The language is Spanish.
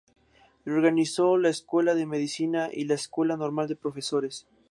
Reorganizó la Escuela de Medicina y la Escuela Normal de Profesores.